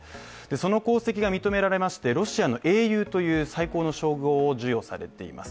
その功績が認められまして、ロシアの英雄という最高の称号を授与されています。